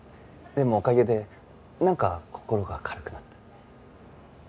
でもおかげでなんか心が軽くなった。